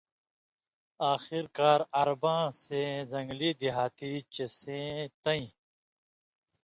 آخرکار عرباں سَئیں زنٚگلی دیہاتی چِہ سَئیں تَئیں